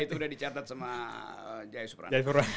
itu udah dicatat sama jaya suprana